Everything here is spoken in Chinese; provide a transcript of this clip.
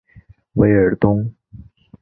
韦尔东。